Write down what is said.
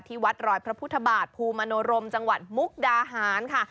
วัดรอยพระพุทธบาทภูมิมโนรมจังหวัดมุกดาหารค่ะ